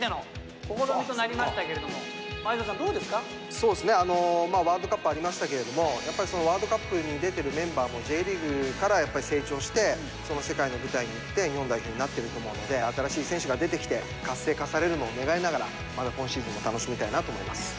そうですねワールドカップありましたけれどもワールドカップに出てるメンバーもＪリーグからやっぱり成長して世界の舞台に行って日本代表になってると思うので新しい選手が出てきて活性化されるのを願いながらまた今シーズンも楽しみたいなと思います。